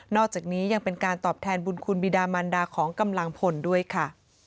อกจากนี้ยังเป็นการตอบแทนบุญคุณบิดามันดาของกำลังพลด้วยค่ะ